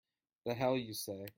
The hell you say!